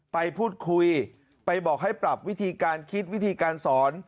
ไปพูดคุยไปบอกให้ปรับวิธีการคิดวิธีการสอน